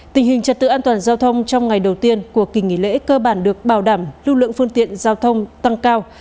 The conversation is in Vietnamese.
tình hình trật tự an toàn giao thông trong ngày đầu tiên của kỳ nghỉ lễ cơ bản được bảo đảm lưu lượng phương tiện giao thông tăng cao